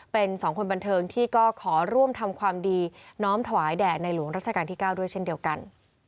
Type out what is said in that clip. เป็นสองคนบันเทิงที่ก็ขอร่วมทำความดีน้อมถวายแด่ในหลวงราชการที่๙ด้วยเช่นเดียวกัน